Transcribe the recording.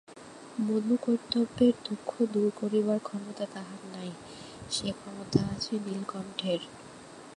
মধুকৈবর্তের দুঃখ দূর করিবার ক্ষমতা তাহার নাই, সে ক্ষমতা আছে নীলকণ্ঠের!